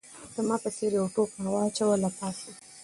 زما په څېر یو ټوپ راواچاوه له پاسه